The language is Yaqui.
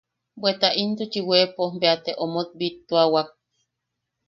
Bweta intuchi weʼepo bea te omot bittuawak.